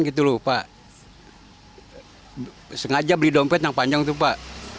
gitu loh pak sengaja beli dompet yang panjang tuh pak